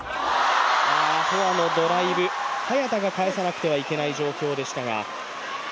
フォアのドライブ、早田が返さなきゃいけない状態でしたが。